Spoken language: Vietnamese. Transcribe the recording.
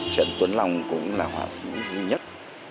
trần tuấn long cũng là họa sinh duy nhất